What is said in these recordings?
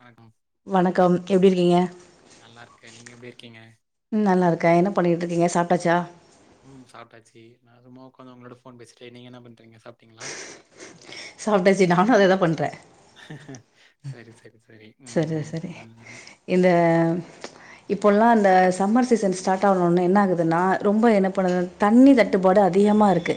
வணக்கம் வணக்கம் எப்டி இருக்கீங்க நல்லா இருக்கேன். நீங்க எப்டி இருக்கீங்க? ம் நல்லா இருக்க என்ன பண்ணிட்டு இருக்கீங்க சாப் ட்டாச்சா ம் சாப்ட்டாச்சு நா சும்மா உக்காந்து உங்களோட ஃபோன் பேசிட்டே நீங்க என்ன பண்றீங்க சாப்ட்டீங்களா சாப்ட்டாச்சு நானும் அதேதா பண்ற செரி செரி செரி செரி இந்த இப்போல்லா அந்த சம்மர் சீசன் ஸ்டார்ட் ஆனோன்ன என்ன ஆகுதுன்னா ரொம்ப என்ன பண்ணுது தண்ணி தட்டுப்பாடு அதிகமா இருக்கு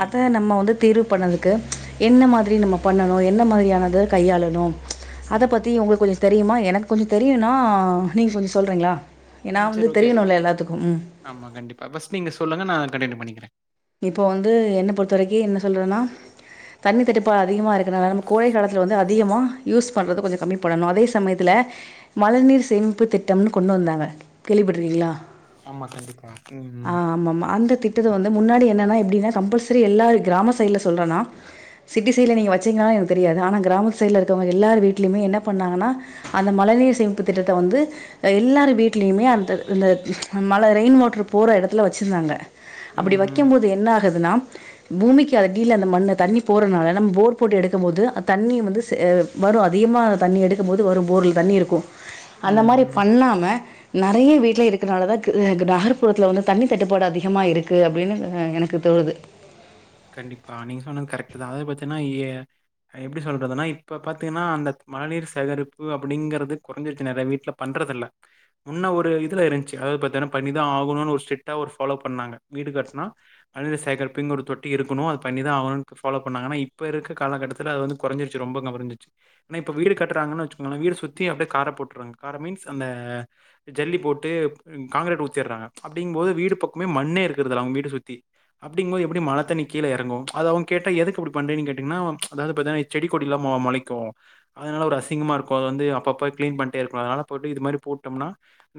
ம், அத ம், நம்ம ம், வந்து தீர்வு பண்ணது க்கு என்ன மாதிரி நம்ம பண்ணணு என்ன மாரியானது கையாளணும் ம் கொஞ்சொ தெரியுமா எனக்கு கொஞ்சொ தெரியும்னா நீங்க கொஞ்சொ சொல்றீங்களா ஏன்னா ம் வந்து செரி ஓகே தெரியணுல்ல எல்லாத்துக்கு ம் ஆமா கண்டிப்பா ஃபஸ்ட் நீங்க சொல்லுங்க நான் கண்டினியூ பண்ணிக்க இப்போ வந்து என்ன பொறுத்த வரைக்கு என்ன சொல்றன்னா தண்ணி தட்டுப்பாடு அதிகமா இருக்கனால நம்ம கோடை காலத்துல வந்து அதிகமாக யூஸ் பண்றத கொஞ்சோ கம்மி பண்ணணு அதே சமயத்தில மழைநீர் சேமிப்பு திட்டம்னு கொண்டு வந்தாங்க கேள்விப்பட்டிருக்கீங்களா ஆமா கண்டிப்பா உம் ஆ ஹ்ம் ஆமாமா. அந்த திட்டத்த வந்து முன்னாடி என்னன்னா எப்படின்னா கம்பல்சரி எல்லாரு கிராம சைடுல சொல்றேன்னா சிட்டி சைட்ல நீங்க வச்சீங்கன்னா எனக்கு தெரியாது ஆனா கிராம சைடுல இருக்கவங்க எல்லாரு வீட்லயுமே என்ன பண்ணாங்கன்னா அந்த மழநீர் சேமிப்பு திட்டத்த வந்து அ எல்லாரு வீடலேயுமே அந்த ந்த ப்ச் மழ ரெயின் வாட்ரு போற எடத்துல வச்சிருந்தாங்க. அப்படி ம், ம், வைக்கும்போது என்ன ஆகுதுன்னா பூமிக்கு அடிலே அந்த மண்ணு தண்ணி போறதுனால நம்ம போர் போட்டு எடுக்கும் போது தண்ணி வந்து செ வரு அதிகமாக தண்ணி எடுக்கும்போது வரும் போர்ல தண்ணி இருக்கு அந்த ம், மாரி ம். பண்ணாம நெறய வீட்ல இருக்கனாலதா க கு நகர்புறத்தில வந்து தண்ணி தட்டுப்பாடு அதிகமா இருக் க்கு அப்டின்னு அ எனக்கு தோழுது கண்டிப்பா நீங்க சொன்னது கரெக்ட்தா அது பாத்தீங்கன்னா எ எப்படி சொல்றதுன்னா இப்ப பாத்தீங்கன்னா அந்த மழநீர் சேகரிப்பு அப்டிங்கறது கொறஞ்சிருச்சு நெறைய வீட்டுல பண்றது இல்ல முன்ன ஒரு இதுல இருந்துச்சு அதாது பாத்தீயன்னா பண்ணிதா ஆகணுனு ஒரு ஸ்டிரிட்டா ஒரு ஃபாலோ பண்ணாங்க வீடு கட்னா மழநீர் சேகரிப்புங்கு ஒரு தொட் ட்டி இருக்குனு அத பண்ணிதா ஆகணு ஃபாலோ பண்ணாங்க ஆனா இப்போ இருக்க கால கட்டத்துல அது வந்து கொறஞ்சிருச்சு ரொம்ப கொறஞ்சிருச்சு ஆனா இப்போ வீடு கட்றாங்கனு வச்சிக்கோங்களேன் வீடு சுத்தி அப்டி கார போட்ராங்க கார மீன்ஸ் அந்த ஜல்லி போட்டு காங்கிரட் ஊத்திராங்க அப்டிங்போது வீடு பக்கொமே மண்ணே இருக்குறதுல்ல அவங்க வீட்ட சுத்தி அப்டிங்போது எப்டி மழத் த்தண்ணி கீழ எறங்கு அது அவங்க கேட்டா எதுக்கு அப்டி பண்றனு கேட்டீங்னா அவ் ப்ச் அதாது பாத்திங்னா செடி கொடிலா மொ மொளைக்கு அதனால ஒரு அசிங்கமா இருக்கு அது வந்து அப்ப அப்ப கிளின் பண்ட்டே இருக்கனு அதனால போட்டு இது மாறி போட்டோம்னா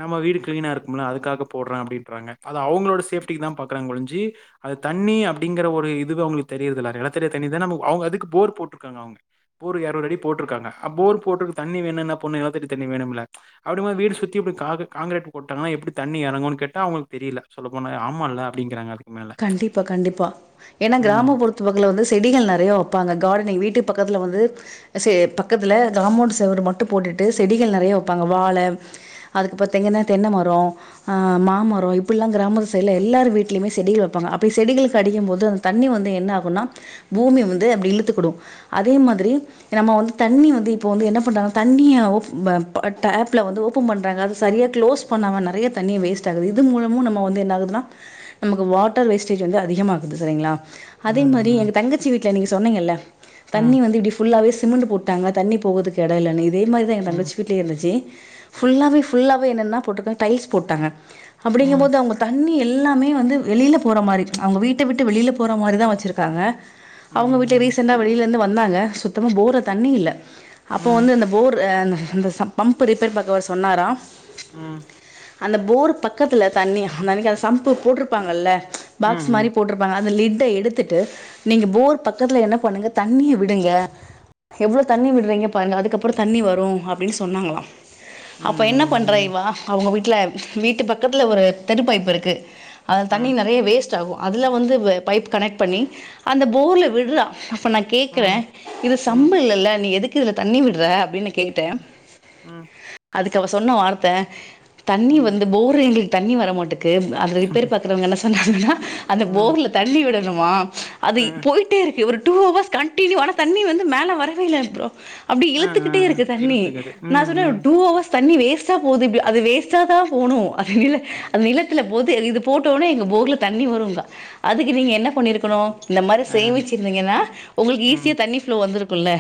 நம்ம வீடு கிளீனா இருக்கும்ல அதுக்காக போடுற அப்டின்றாங்க அது அவங்களோட சேஃப்டிக்குதா பாக்குறாங்க ஒழிஞ்சு அது தண்ணி அப் அப்படிங்கிற ஒரு இதுவு அவங்களுக்கு தெரிறதுல்ல நெலத்தடி தண்ணிதான நம்மோ அவங்க அதுக்கு போர் போட்டுர்க்காங்க அவங்க போர் எறணுறு அடி போட்ருக்காஙக அ போர் போட்ருக்க தண்ணி வேணு என்னா பண்ணணு நெலத்தடி தண்ணி வேணும்ல அப்டிங்கும் போது வீடு சுத்தி இப்டி காக காங்கிரட் போட்டாங்கன்னா எப்டி தண்ணி எறங்குனு கேட்டா அவங்களுக்கு தெரியல சொல்லபோனா ஆமால அப்டிங்குறாங்க கண்டிப்பா கண்டிப்பா ஏன்னா கிராம ம் பொறுத்து பகல வந்து செடிகள் நெறைய வப்பாங்க கார்டனிங் வீட்டு பக்கத்துல வந்து செ பக்கத்துல காமோண்ட் செவறு மட்டும் போட்டுட்டு செடிகள் நெறைய வப்பாங்க வாழ அதுக்கப்பறோ பாத்தீங்கன்னா தென்ன மரொ அ மாமரொ இப்டுல்லா கிராமத்து சைடுல எல்லார் வீட்லயுமே செடிகள் வப்பாங்க அப்டி செடிகளுக்கு அடிக்கம் போது அந்த தண்ணி வந்து என்ன ஆகுனா பூமி வந்து அப்டி இழுத்துக்குடு அதே மாதிரி நம்ம வந்து தண்ணி வந்து இப்ப வந்து என்ன பண்றாங்க தண்ணிய ஓப் ப அ டேப்ள வந்து ஓபம் பன்றாங்க அது சரியா குளோஸ் பண்ணாம நெறைய தண்ணிய வேஸ்ட் ஆகுது இது மூலமும் நம்ம வந்து என்ன ஆகுதுனா நமக்கு வாட்டர் வேஸ்டேஜ் வந்து அதிகமாகுது சரிங்களா அதே ம் மாரி ம் எங்க தங்கச்சி வீட்டுல நீங்க சொன்னீங்கல்ல தண்ணி ம் வந்து இப்டி ஃபுல்லாவே சிமெண்ட் போட்டாங்க தண்ணி போகுதுக்கு இட இல்லனு இதே மாரிதா எ தங்கச்சி வீட்லயு இருந்துச்சு ஃபுல்லாவே ஃபுல்லாவே என்னன்ன கொண்டுபோய் டைல்ஸ் போட்டாங்க ம் அப்டிங்கும்போது அவங்க தண்ணி எல்லாமே வந்து வெளியில போற மாரி அவங்க வீட்டை விட்டு வெளியில போற மாரிதா வச்சிருக்காங்க அவங்க வீட்ல ம் ரீசெண்ட்டா வெளில வந்து வந்தாங்க சுத்தமா போர்ல தண்ணியே இல்ல அப்போ ம்ஹ்ம் வந்து இந்த போர் எம் அந்த அந்த சம்ப பம்ப் ரிப்பேர் பாக்கவர் சொன்னாரா ம் அந்த போர் பக்கத்துல தண்ணி அந்த அன்னிக்கு [unintelligible] சம்பு போட்று ப்பாங்கல்ல பாக்ஸ் மாதிரி ம்ஹ்ம் போட்டிருப்பாங் அந்த லிட்ட எடுத்துட்டு நீங்க போர் பக்கத்தில்ல என்ன பண்ணுங்க தண்ணிய விடுங்க எவ்ளோ தண்ணி விடுறீங்க பாருங்க அதுக்கப்பறம் தண்ணி வரும் அப்டின்னு சொன்னாங் அப்ப என்ன ம் ம் பண்றய்வா அவங்க விட் ல வீட்டு பக்கத்துல ஒரு தெரு பைப்பு இருக்கு அது ம் தண்ணி ம் நிறைய வேஸ் ஆகும் அதுல வந்து பைப் கனெக்ட் பண்ணி அந்த போர்ல விடுற நா கேக்குறேன் இது ம் சம்ப இல்லல நீ எதுக் கக்கு இதுல தண்ணி விடுற அப்டின்னு நா கேட்டே ம் அதுக்கு அவ சொன்ன வார்த்த தண்ணி ம் வந்து போரிங் தண்ணி வர மாட்டுக்கு தெருப் பத்ரவங்க [unintelligible] [unintelligible] அந்த ம் போர்ல தண்ணி விட ல்லவா அ அதி போயிட்டே இருக்கு இவரு டூ அவொஸ் கண்டினியூ ஆனா தண்ணி வந்து மேல வரவேல இல்ல ப்ரோ அப்டி அ அ இழுத்துக்கிட்டே இருக்கு தண்ணீ. இழுத்துக்குது நா ம் சொன்னே ம் டூ அவர்ஸ் தண்ணி வேஸ்ட்டா போது இப் அது வேஸ்ட்டா தா போனூ அது இல்ல அது நிலத்துல போது இது போட்டோன எங்க ஃபோர்ல தண்ணி வருங்கா அதுக்கு நீங்க என்ன பண்ணியிருக்கணு இந்த மாரி அ சேமிச்சிருந்தீங்கனா உங்களுக் ஈஸிய தண்ணி ஃப்ளோ வந்துருக் புள்ள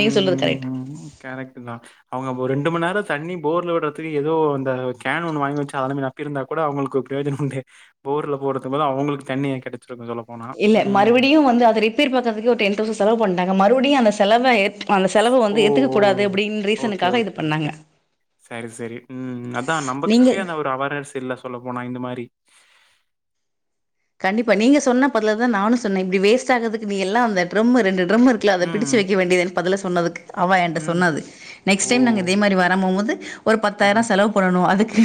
ம் ம் ம் கரக்டு தா அவங்க ஒர் ரெண்டு மண் நேர தண்ணி போர்ல வுடுறத்து ஏதோ அந்தா கேன் ஒன்னு வாங்கி வச்ச அதெல்லாமே நப்பிருந்தா கூட அவங்ளுக்கு ப்ரியோஜனம் உண்டே. போர்ல போடுறதுக் பலா அவங்களுக் தண்ணியை கிடச்சிருக்கும் சொல்லப் இல்லெ மறுவுடியு வந்து அத ரிப்பேர் பாக்கிறதுக்கே ஒரு டென் தௌசண் செலவு பண்டாங்க. மறுவுடியு அந்த செலவ ஏத் அந்த செலவ ஓ வந்து ஏத்துக்க ஓ கூடாது அப்டின்னு ஓகே ரீசனுக்காக இது ஓகே பண்ணாங்க ஓகே சரி சரி உம் அதா நீங்க நம்பகிட்டய அந்த ஒரு அவர்நஸ் இல்ல சொல்ல போனா இந்த மாரி கண்டிப்பா நீங்க சொன்ன பர்லதா நானு சொன்னே இப்டி வேஸ்ட் ஆகதுக்கு நீ எல்லாந்த டிரம் ரெண்டு ட்ரம் இருக்ல அத பிடிச்சு ம், வைக்க வேண்டியதுதனெ பதல சொன்னதுக்கு அவா என்ட ம். சொன்னாது ஓ! நெக்ஸ்ட் டெய்ம் நங்க இதே மாரி வரமொமோது ஒரு அ. பத்தாயிர செலவு பண்ணனூ அதுக்கு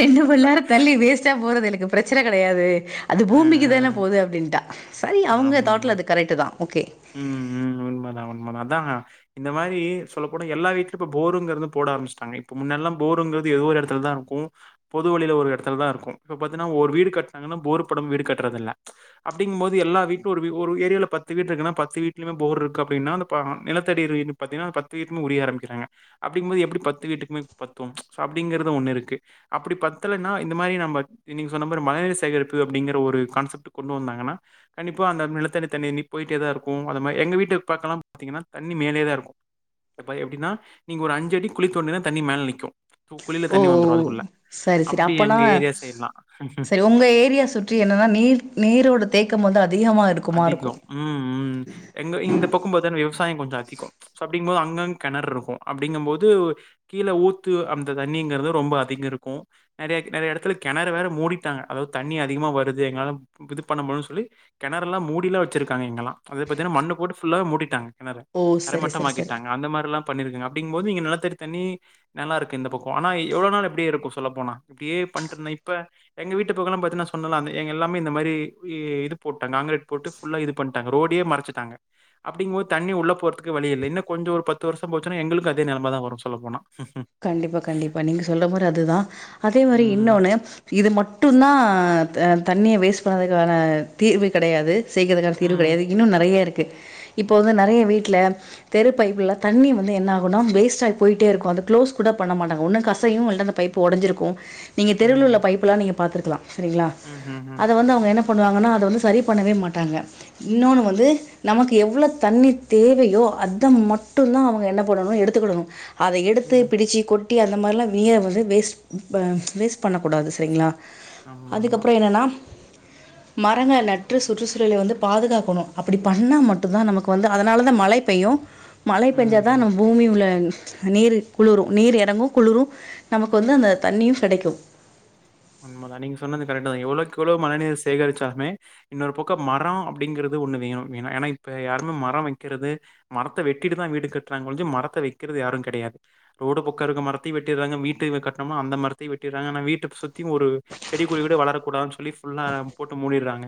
ரெண்டு பல்லாற தள்ளி வேஸ்ட்டா போறதேனக் ங்குப் பிரச்சன கெடையாது. அது ம், பூமிக்கு தானே ம். போது அப்டின்ட்டா சரி அவங்க ஆமா. தாட்ல அது கரெக்டு தா ஓகே ம் ம் உண்மதா உண்மதா அதா இந்த மாரீ சொல்ல போன எல்லா வீட்லுப்போ போருங்கிறது போடார்ம்பிச்சுட்டாங்க. இப் முன்னெல்லா போருங்கிறது எதுவோ ஒரு எடத்தில் தா கு பொதுவழில ஒரு எடத்தில் தா இருக்கு. இப்பப்பத்தின ஒரு வீடு காட்றாங்கனா போரு பொடம் விடு கட்டுரதுல்ல. அப்டிங்போது எல்லா வீட்கு ஒரு வி ஒரு ஏரியால பத்து வீட்ருக்குனா பத்து வீட்லியுமே போர்ரு கப்டினா அந்த பா நிலத்தடி ர் ர் பத்தினா அ பத் வீட்மு உறிய ஆராமிக்ராங்க. அப்டிங்மோது எப்டி பத்து வீட்டுக்மே பத்தும். ம்ச் சொ அப்டிங்குறது ஒன்னு இருக்கு. அப்டி பத்தலன்னா இந்த மாரி நம்ப இ நீங் சொன்ன மாரி மழைநீர் சேகரிப்பு அப்டிங்குற ஒரு கான்செப்ட் கொண்டுவந்தாங்கனா கண்டிப்பா அந்தம் நிலத்தடி தண்ணீ நிப் போயிட்டே தாருக்கு. அதமாய் எங்க வீட்டு இப்பாக்கலாம் பாத்தீங்கன்னா தண்ணி மேலேய தா இருக்கும் எப்பை எப்டினா நீங்க ஒரு அஞ்சடி குழி தோண்டுனா தண்ணி மேல நிக்கு. குழில ஓ தண்ணி வந்துரு அதுக்குள்ள சரி சரி அப்டி அப்பனா எங்க ஏரியா சைட்லா சரி உங்க ஏரியா சுற்றி என்னனா நீர் நீரோட தேக்கம் வந்து அ அதிகோ ம் ம் எங்க இந்த பொக்கும் போதன் வெவ் தாயொ கொஞ்ச அதிகோ சொ அப்டிங்போது அங்கங் கெணர்ருக்கு அப்டிங்கும் போது கீழ ஊத்து அந்த தண்ணிங்கறது ரொம்ப அதிகருக்கு. நெறயக் நெறைய இடத்துல கெணறு வேற மூடிட்டாங்க. அதாவத் தண்ணி அதிகமா வருது எங்கால ப்புது பண்ண முல சொல்லி கெணறெல்லா மூடிலா வச்சிருக்காங்க இங்கலா. அது பாத்தனா மண்ணு போட்டு ஃபுள்ளாவ் மூடிட்டாங்க கெணற ஓ சரி தரைமட்டம் சரி சரி ஆக்கிட்டாங்க அந்த மாரிலாம் பண்ணிருக்குங் அப்டிங்போது இங்க நெலத்தடி தண்ணீ நல்லா இருக்கு இந்த பக்கோ. ஆனா எவ்ளோ நாள் எப்டியே இருக்கு சொல்லப்போனா இப்டியே பண்ற்றுந்தே இப்பா எங்க வீட்டு புகலாம் பத்தின சொன்னல அந்த எங் எல்லாமே இந்த மாரி இ இதுப் போட்டங்க ஆங்கரேட் போட்டு ஃபுல்லா இது பண்டாங்க. ரோடியே மரச்சுட்டாங்க. அப்டிங்போத் தண்ணி உள்ள போற்துக்கு வழி இல்லெ. இன்ன கொஞ்சோ ஒரு பத்து வருஷம் போச்சுனா எங்களுக் அதே நெலம தா வரு சொல்ல போனா கண்டிப்பா கண்டிப்பா நீங்க சொல்ற மொரி அதுதா அதே மாரி ம். இன்னோன்னு இது மட்டுந்தா த ஆ தண்ணிய வேஸ்ட் பண்ணுறதுகான தீர்வு கெடையாது செய்கிறகர் தீர்வு ம். கெடையாது இன்னு நெறைய இருக் இப்போ வந்து நெறைய வீட்ல தெரு பைப்புல தண்ணி வந்து என்ன ஆகுனா வேஸ்ட் ஆகி போயிட்டே இருக்கும் அதுக் க்ளோஸ் கூட பண்ண மாட்டாங்க ஒன்னு கசையும் இல்லனா அந்த பைப்பு உடைஞ்சிருக்கும் நீங்க ம். தெருவுல உள்ள ம். பைப்பு எல்லாம் நீங்க பார்த்துருக்கலாம் சரிங்களா ம்ஹ்ஹ்ம். அதை வந்து அவங்க என்ன பண்ணுவாங்க அத வந்து சரி பண்ணவே மாட்டாங்க இன்னொன்னு வந்து நமக்கு எவ்ளோ தண்ணி தேவையோ அத மட்டும் தான் அவங்க என்ன பண்ணும் எடுத்துக்கிடனும் அதை ம். பிடிச்சி கொ ட்டி அந்த மாரிலாம் நீர வந்து வேஸ்ட் வேஸ்ட் பண்ணக்கூடாது சரிங்களா ஆமாமா. அதுக்கப்புறம் என்னன்னா மரங்க நட்டு சுற்றுச்சூழலை வந்து பாதுகாக்கணும் அப்பிடி பண்ணா மட்டும்தான் நமக்கு வந்து அதனாலதான் மழை பெய்யும் மழை ம். ஆமா பெஞ்சா ஆமா தா ம் நம்ம பூமி உள்ள நீரு குளுரு நீர் இறங்கு குளுரு நமக்கு வந்து அந்த தண்ணியு கெடைக்கு உண்மதா நீங்க சொன்னது கரெக்ட்டு தா எவ்ளவுக்கு எவ்ளோ மழைநீர் சேகரிச்சாலுமே இன்னொரு பக்கொ மரம் அப்டிங்கறது ஒன்னு வேணு ஏனா ஏனா இப்ப யாரு மரம் வைக்கறது மரத்த வெட்டிட்டு தா வீடு கட்றாங்க ஒழிஞ்சி மரத்த வைக்கறது யாரு கெடையாது ரோடு பக்கோ இருக்க மரத்தி வெட்டிறாங்க வீட்டு கட்டனம்னா அந்த மரத்தியு வெட்டிறாங்க ஆனா வீட்ட சுத் ஒரு செடி கொடி கூட வளர கூடாதுன் சொல்லி ஃபுல்லா போட்டு முடிறாங்க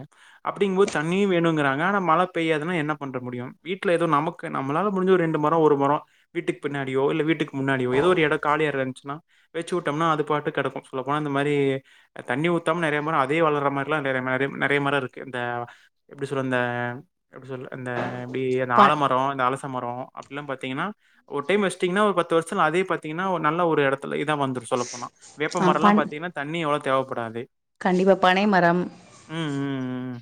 அப்டின்னு போது தண்ணியு வேணும்கிறாங்க ஆனா மழை பெய்யாதுனா என்ன பண்ண முடியு வீட்ல எதோ நமக்கு நம்ளால முடிஞ்ச ரெண்டு மரொ ஒரு மரொ வீட்டுக்கு பின்னாடியோ இல்ல வீட்டுக்கு முன்னாடியோ எதோ ஒரு எடொ காலியாருந்துச்சுன்னா வச்சுட்டோம்னா அது பாட்டுக்கு கடக்கு சொல்லப்போனா மாரி ஆ தண்ணி ஊத்தாம நெறைய மரொ அதே வளர்ர மாரிலாம் நெ நெறைய மரருக்கு இந்த எப்டி சொல்ல இந்த எப்டி சொல்ல இந்த அப்டி அந்த ப ஆலமரொ இந்த அலசமரொ அப்புல்லா பாத்தீங்கன்னா ஒரு டைம் வச்சிட்டீங்கன்னா ஒரு பத்து வருஷத்துல அதே பாத்தீங்கன்னா ஒரு நல்ல ஒரு எடத்துல இதா வந்துரு சொல்ல போனா ஆ வேப்பமரலா பண் பாத் ணி அவ்ளோ தேவப்படாது கண்டிப்பா பனை மரம் ம், ம், ம்.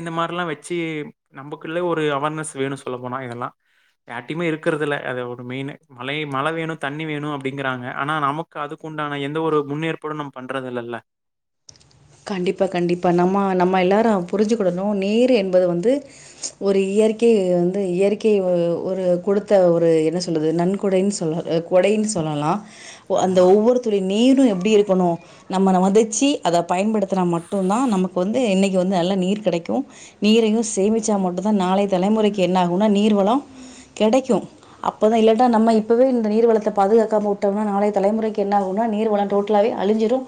இந்த மாரிலா வச்சு நமக்குள்ள ஒரு அவர்னஸ் வேணு சொல்ல போனா இதெல்லா யார்ட்டயுமே இருக்குறதுல்ல அத ஒரு மெயினு மழ வேணு தண்ணி வேணு அப்டிங்கறாங்க ஆனா நமக்கு அதுக்குண்டான எந் எந்த ஒரு முன்னேற்பாடும் நம் பண்றது இல்லல்ல கண்டிப்பா கண்டிப்பா நம்ம நம்ம எல்லாரு புரிஞ்சுக்கிடணு நீரு என்பது வந்து ஒரு இயற்கை வந்து இயற்கை ஓ ஒரு குடுத்த ஒரு என்ன சொல்றது நன்கொடைன்னு சொல் கொடைனு சொல்லலா அந்த ஆமா. ஒவ்வொரு துளி நீரும் எப்டி இருக்கணு நம்ம ந மதிச்சு அத பயன்படுத்தினா மட்டும்தா நமக்கு வந்து என்னைக்கு வந்து நல்லா நீர் கெடைக்கு நீரையு சேமிச்சா மட்டு தா நாளைய தலைமுறைக்கு என்ன ஆகும்னா நீர் வளம் கெடைக்கு அப்பதா கரெக்ட். இல்லட்டா நம்ம இப்பவே நீர்வளத்தை பாதுகாக்காம விட்டம்னா நாளைய தலைமுறைக்கு என்ன ஆகுன்னா நீர்வளம் டோட்டலாவே அழிஞ்சிரு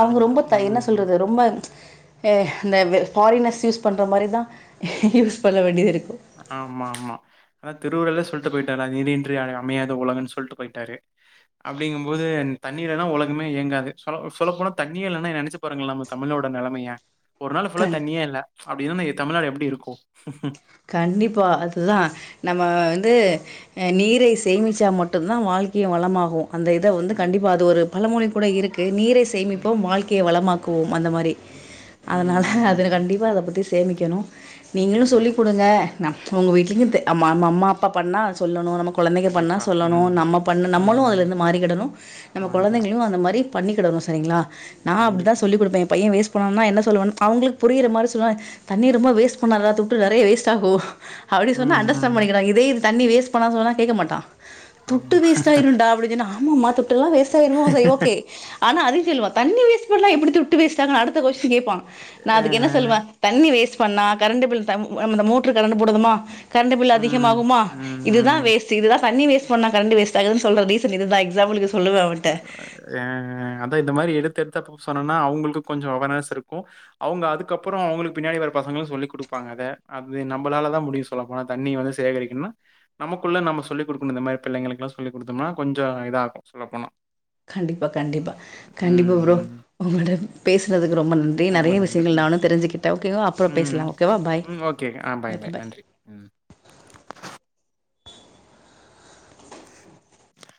அழிஞ்சிரு ன ம் சொல்றது ரொம்ப [unintelligible] இந்த ஃபாரினெஸ் யூஸ் பண்ற மாரி தா யூஸ் பண்ண வேண்டியதுருக் ஆமா ஆமா அதா திருவள்ளுவ சொல்ட்டு போயிட்டானே நீரின்றி அமையாத உலகன்னு சொல்ட்டு போயிட்டாரே அப்டிங்கு போது தண்ணீல்லனா ஒலகமே இயங்காது சொல் சொல்ல போனா தண்ணியே இல்லன்னா நெனைச்சு பாருங்கள நம்ம தமிழோட நெலமய ஒரு நாள் ஃபுல்லா கண் தண்ணியே இல்ல அப்டி இருந்தா என் தமிழ்நாடு எப்டி இருக்கு கண்டிப்பா அதுதா நம்ம வந்து நீரை சேமிச்சா மட்டும்தா வாழ்க்கை வளமாகு அந்த இத வந்து ம் கண்டிப்பா அது ஒரு பழ மொழி கூட இருக்கு நீரை ம் சேமிப்போம் வாழ்க்கை வளமாக் க்குவோம் அந்த மாரி ம் அதனால ம் அதுல ம் கண்டிப்பா அத பத்தி சேமிக்கணு நீங்களு சொல்லி ஆமா அ ந உங்க வீட்டுக்கு தே அம்மா ம்மா அம்மா அப்பா பண்ணா சொல்லணு நமக் கொழந்தைங்க பண்ணா கண்டிப்பா சொல்லணு ம் நம்ம பண்ண நம்மளு ம் அதிலிருந்து மாறிகிடணும் நம்ம மாறிக்கணு கொழந்தைங்களையு அந்த மாரி பண்ணிக்கிடணு சரிங்களா நா கண்டிப் அப்படிதா சொல்லி கொடுப்பே என் பையன் வேஸ் போனன என்ன சொல்வன் அவங்களுக்கு புரியிற மாரி சொல்வ தண்ணி ரொம்ப வேஸ்ட் பண்ணாதடா துட்டு டா நெறைய வேஸ்ட் ஆகும் அப்டி சொன்னா ம் ம் அண்டர்ஸ்டாண்ட் பண்ணிக்கிறா இதே இது தண்ணி வேஸ் பண்ணாத சொன்னா கேக்க மாட்டான் துட்டு ஆமா வேஸ்டாயிருண்டா அப்டி சொன்ன ஆஹ் ம்முமா துட் டுல்லா வேஸ்ட் ஆயிரு சரி ஓகே ஆனா அதயு சொல்லுவா தண்ணி வேஸ் இதுக்கெல்லா எப்டி துட்டு வேஸ்ட் ஆகு அடுத்த கொஸ்டின் கேப்பா நா ஆ அதுக்கு என்ன சொல்லுவே தண்ணி வேஸ் பண்ணா கரண்ட் பில் ம் அந்த மோட்டரு கரட்ன்டு போடுதுமா கரண்ட் பில் ம் அதிகமாகுமா ம் இதுதா ம் வேஸ்ட் இதுதா தண்ணி வேஸ் பண்ணா கரண்ட்டு வேஸ்ட் ஆகுது சொல்ற ரீசன் இது தா எக்ஸாம்பிள்க்கு ஆஹ் ஏ அதா இத மாரி எடுத் த்து த்து அப்போ சொன்னோன்னா அவங்களுக்கு கொஞ்சோ அவேர்னஸ் இருக்கும் அவங்க அதுக்கப்புறம் அவங்களுக்கு பின்னாடி வர பசங்களுக் சொல்லிக் கொடுப்பாங்க அத அது நம்ளால தா முடியும் சொல்ல போனா தண்ணி வந்து சேகரிக்கணும்ன்னா நமக்குள்ளே நம்ம சொல்லி கொடுக்கணும் இந்த மாரி பிள்ளங்களுக்குல்லா சொல்லி கொடுத்தோம்னா கொஞ்சோ இதாகு சொல்லப்போனா கண்டிப்பா கண்டிப்பா கண்டிப்பா ம். ப்ரோ ம். உங்களோட பேஸ் ஸ்னதுக்கு ரொம்ப நன்றி ரொம்ப நெறைய நன்றி. விஷயங்கள் ம். நானு தெரிஞ்சுகிட்டே ஓகேவா அப்புறம் ம். பேசலாம் ஓகேவா பாய் ம். ஓகே. ஆ ஓகே பாய் நன்றி. ம்.